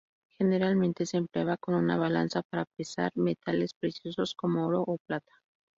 Generalmente se empleaban con una balanza para pesar metales preciosos como oro o plata.